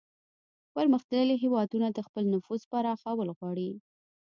پرمختللي هیوادونه د خپل نفوذ پراخول غواړي